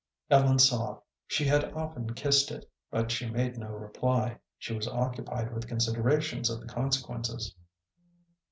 Ellen saw. She had often kissed it, but she made no reply. She was occupied with considerations of the consequences.